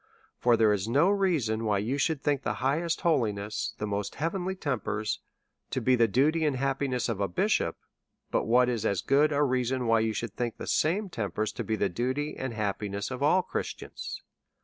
For there is no reason why you should think the highest holiness, the most heavenly tempers, to be the duty and happiness of a bishop, but what is as good a reason why you should think the same tempers to be the duty and happiness of all Christians.